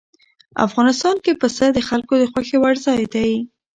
افغانستان کې پسه د خلکو د خوښې وړ ځای دی.